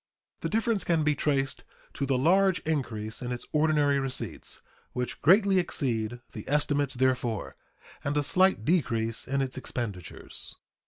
The difference can be traced to the large increase in its ordinary receipts (which greatly exceed the estimates therefor) and a slight decrease in its expenditures."